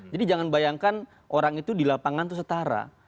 jadi jangan bayangkan orang itu di lapangan itu setara